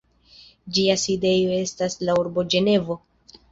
Ĝia sidejo estas la urbo Ĝenevo.